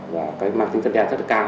và cái mạng tính dân đe rất là cao